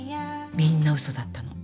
みんなウソだったの。